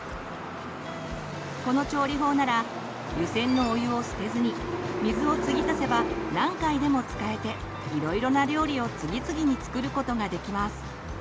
この調理法なら湯せんのお湯を捨てずに水をつぎ足せば何回でも使えていろいろな料理を次々に作ることができます。